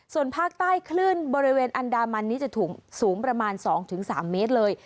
ส่วนภาคใต้คลื่นบริเวณอันดามันนี้จะสูงประมาณ๒๓เมตรเลย